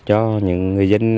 cho những người dân